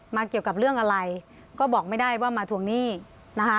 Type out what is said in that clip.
เกี่ยวกับเรื่องอะไรก็บอกไม่ได้ว่ามาทวงหนี้นะคะ